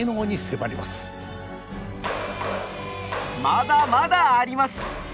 まだまだあります！